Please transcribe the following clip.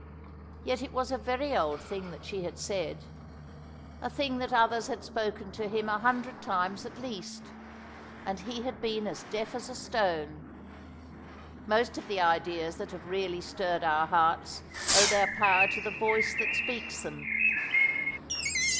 Yet it was a very old thing that she had said a thing that others had spoken to him a hundred times at least, and he had been as deaf as a stone. Most of the ideas that have really stirred our hearts owe their power to the voice that speaks them.